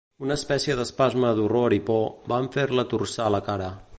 Una espècie d'espasme d'horror i por van fer-la torçar la cara.